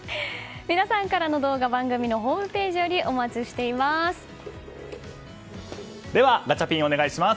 皆さんからの動画番組のホームページよりではガチャピンお願いします。